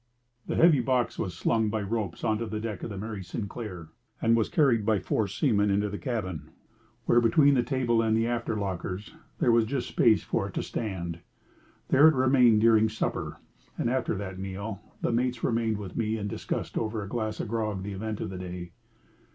The heavy box was slung up by ropes on to the deck of the Mary Sinclair, and was carried by four seamen into the cabin, where, between the table and the after lockers, there was just space for it to stand. There it remained during supper, and after that meal the mates remained with me, and discussed over a glass of grog the event of the day.